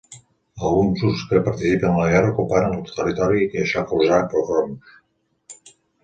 Alguns grups que participen en la guerra ocuparen el territori i això causà pogroms.